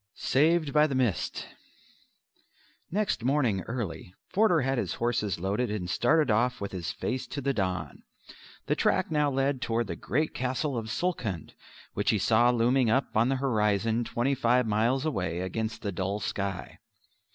Saved by the Mist Next morning early, Forder had his horses loaded and started off with his face to the dawn. The track now led toward the great Castle of Sulkhund, which he saw looming up on the horizon twenty five miles away, against the dull sky.